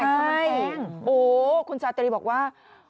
ใช่โอ้คุณชาตรีบอกว่า